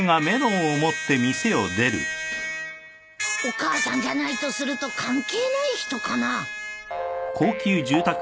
お母さんじゃないとすると関係ない人かな？